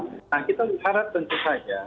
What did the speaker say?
nah kita lihat tentu saja